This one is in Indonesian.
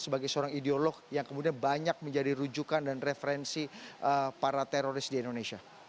sebagai seorang ideolog yang kemudian banyak menjadi rujukan dan referensi para teroris di indonesia